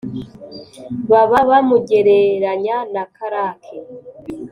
baba bamugereranya na karake